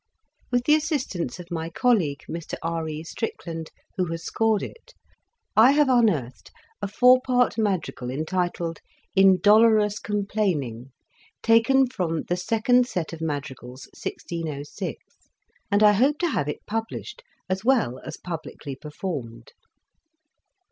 With the assistance of my colleague, Mr R. E. Strickland, who has scored it, I have un earthed a four part madrigal entitled "In dolorous complaining," taken from "The Second Set of Madrigals," 1606, and I hope to have it published, as well as publicly performed.